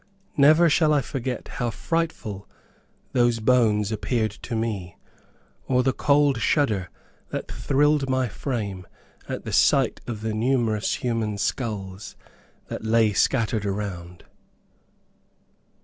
Never shall I forget how frightful those bones appeared to me, or the cold shudder that thrilled my frame at the sight of the numerous human skulls that lay scattered around.